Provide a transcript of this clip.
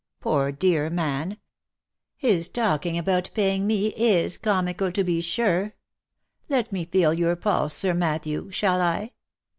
Poor dear man ! His talking about paying me is comical to be sure. Let me feel your pulse, Sir Matthew, shall I